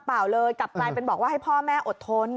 เปล่าเลยหลับไปเป็นบอกว่าให้พ่อแม่อดทน